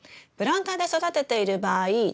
プランターで育てている場合